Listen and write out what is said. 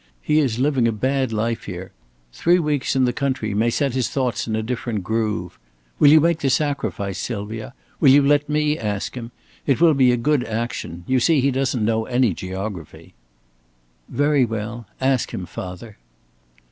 He is living a bad life here. Three weeks in the country may set his thoughts in a different grove. Will you make this sacrifice, Sylvia? Will you let me ask him? It will be a good action. You see he doesn't know any geography." "Very well; ask him, father."